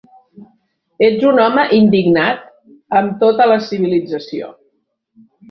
Ets un home indignat amb tota la civilització.